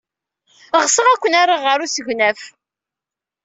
Ɣseɣ ad ken-rreɣ ɣer usegnaf.